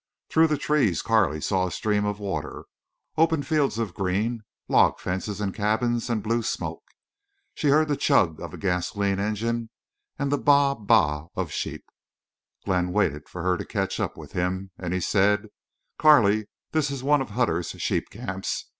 Through the trees Carley saw a stream of water, open fields of green, log fences and cabins, and blue smoke. She heard the chug of a gasoline engine and the baa baa of sheep. Glenn waited for her to catch up with him, and he said: "Carley, this is one of Hutter's sheep camps.